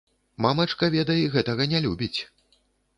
Мамачка, ведай, гэтага не любіць.